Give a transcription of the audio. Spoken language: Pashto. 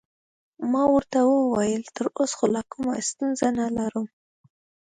ما ورته وویل: تراوسه خو لا کومه ستونزه نلرم.